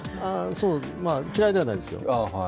嫌いではないですよ。